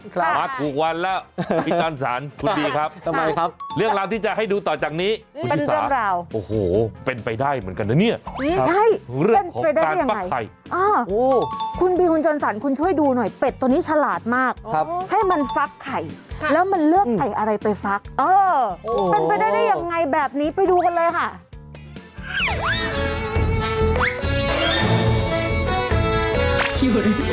คุณจนสรรคุณช่วยดูหน่อยเป็ดตัวนี้ฉลาดมากให้มันฟักไข่แล้วมันเลือกไข่อะไรไปฟักเออเป็นไปได้ได้ยังไงแบบนี้ไปดูกันเลยค่ะ